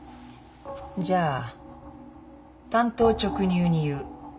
「じゃあ単刀直入に言う。